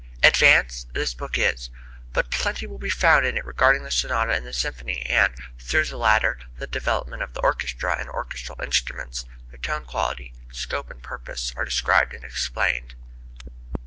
"Advanced," this book is. But plenty will be found in it regarding the sonata and the symphony, and, through the latter, the development of the orchestra; and orchestral instruments, their tone quality, scope and purpose are described and explained.